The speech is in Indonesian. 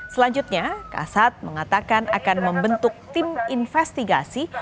selanjutnya kasat mengatakan akan membentuk tim investigasi